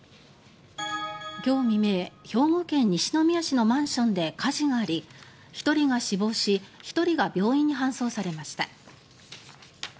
今日未明、兵庫県西宮市のマンションで火事があり１人が死亡し１人が病院に搬送されました。